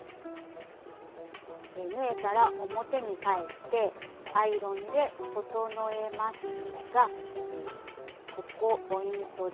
縫えたら表に返してアイロンで整えますがここポイントです。